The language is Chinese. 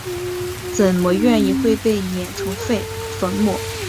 怎么愿意会被碾成粉末？